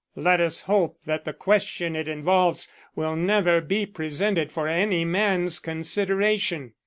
Let us hope that the question it involves will never be presented for any man's consideration."